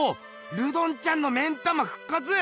ルドンちゃんの目ん玉ふっかつ！